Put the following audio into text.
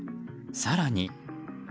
更に。